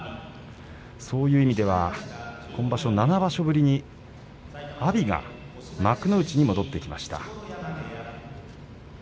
そういう意味では、今場所７場所ぶりに阿炎が幕内に戻ってきました。